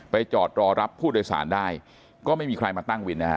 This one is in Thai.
จอดรอรับผู้โดยสารได้ก็ไม่มีใครมาตั้งวินนะฮะ